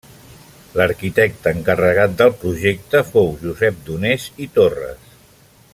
L'arquitecte encarregat del projecte fou Josep Donés i Torres.